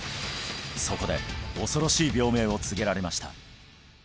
そこで恐ろしい病名を告げられました